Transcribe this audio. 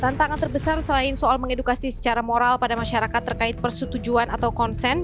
tantangan terbesar selain soal mengedukasi secara moral pada masyarakat terkait persetujuan atau konsen